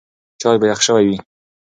چای به یخ شوی وي.